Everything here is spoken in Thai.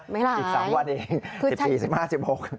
ไม่หลายคือจะอีก๓วันเอง๑๔๑๕๑๖